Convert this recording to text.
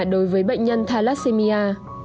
đối với bệnh nhân thalassemia